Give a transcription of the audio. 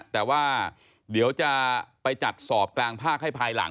แต่ว่าเดี๋ยวจะไปจัดสอบกลางภาคให้ภายหลัง